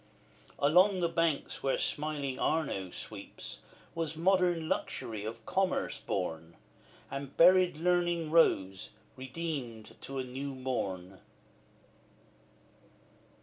Along the banks where smiling Arno sweeps, Was modern Luxury of Commerce born, And buried Learning rose, redeemed to a new morn.